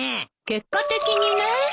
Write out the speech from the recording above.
結果的にね。